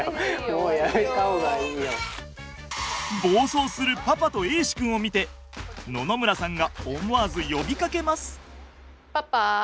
暴走するパパと瑛志くんを見て野々村さんが思わず呼びかけます。